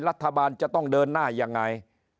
รัฐบาลจะต้องเดินหน้ายังไง